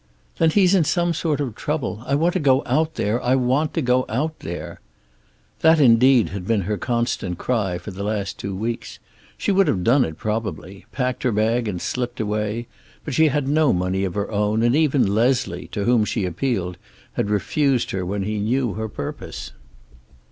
"Then he's in some sort of trouble. I want to go out there. I want to go out there!" That, indeed, had been her constant cry for the last two weeks. She would have done it probably, packed her bag and slipped away, but she had no money of her own, and even Leslie, to whom she appealed, had refused her when he knew her purpose.